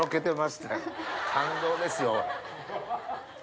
感動ですよ。